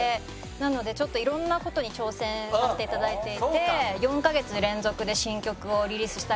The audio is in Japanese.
なのでちょっといろんな事に挑戦させていただいていて４カ月連続で新曲をリリースしたりとか。